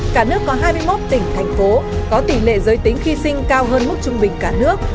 cả nước có hai mươi một tỉnh thành phố có tỷ lệ giới tính khi sinh cao hơn mức trung bình cả nước